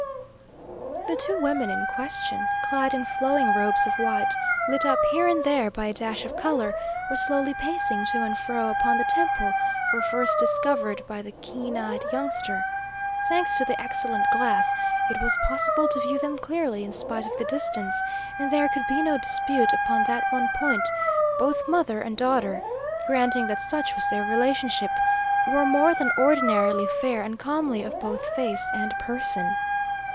The two women in question, clad in flowing robes of white, lit up here and there by a dash of colour, were slowly pacing to and fro upon the temple where first discovered by the keen eyed youngster. Thanks to the excellent glass, it was possible to view them clearly in spite of the distance, and there could be no dispute upon that one point: both mother and daughter (granting that such was their relationship) were more than ordinarily fair and comely of both face and person.